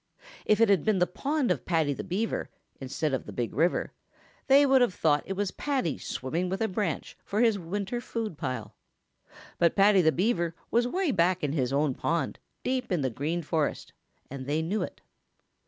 If it had been the pond of Paddy the Beaver instead of the Big River, they would have thought it was Paddy swimming with a branch for his winter food pile. But Paddy the Beaver was way back in his own pond, deep in the Green Forest, and they knew it.